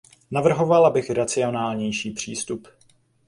Navrhovala bych racionálnější přístup.